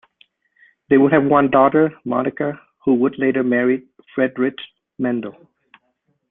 They would have one daughter, Monika, who would later marry Friedrich Mandl.